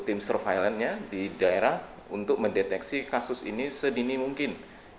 tim surveillance nya di daerah untuk mendeteksi kasus ini sedini mungkin